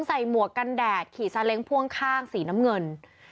หมวกกันแดดขี่ซาเล้งพ่วงข้างสีน้ำเงิน